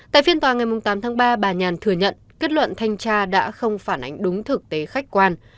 tại phiên tòa ngày tám tháng ba bà nhàn thừa nhận kết luận thanh tra đã không phản ánh đúng thực tế khách quan